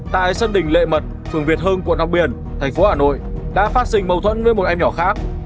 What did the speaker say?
quân tỉnh lệ mật phường việt hưng quận long biên thành phố hà nội đã phát sinh mâu thuẫn với một em nhỏ khác